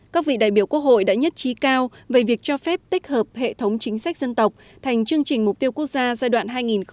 các vị đại biểu quốc hội đã nhất trí cao về việc cho phép tích hợp hệ thống chính sách dân tộc thành chương trình mục tiêu quốc gia giai đoạn hai nghìn hai mươi một hai nghìn ba mươi